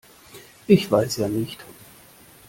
Ich weiß ja nicht.